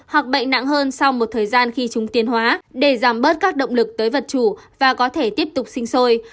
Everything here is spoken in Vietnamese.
hoặc bệnh nặng hơn sau một thời gian khi chúng tiền hóa để giảm bớt các động lực tới vật chủ và có thể tiếp tục sinh sôi